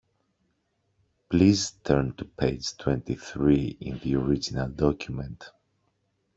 Please turn to page twenty-three in the original document